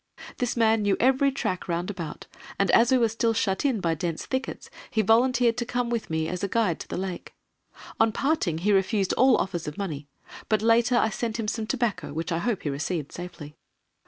This man knew every track round about, and, as we were still shut in by dense thickets, he volunteered to come with me as a guide to the Lake. On parting he refused all offers of money, but later I sent him some tobacco, which I hope he received safely.